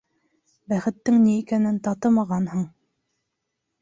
Бәхеттең ни икәнен татымағанһың!